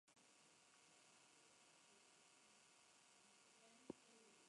El fruto es del tamaño de un guisante, negro y acre.